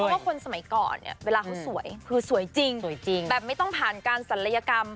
เพราะว่าคนสมัยก่อนเนี่ยเวลาเขาสวยคือสวยจริงสวยจริงแบบไม่ต้องผ่านการศัลยกรรม